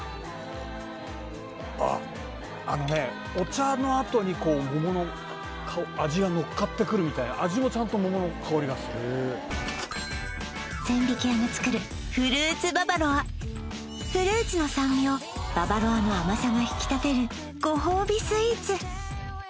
あっあのねお茶のあとにこう桃の味がのっかってくるみたいながする千疋屋が作るフルーツババロアフルーツの酸味をババロアの甘さが引き立てるご褒美スイーツ！